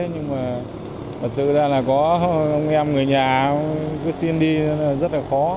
nhưng mà thật sự ra là có ông em người nhà cứ xin đi rất là khó